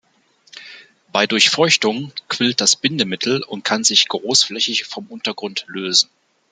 Bei Durchfeuchtung quillt das Bindemittel und kann sich großflächig vom Untergrund lösen.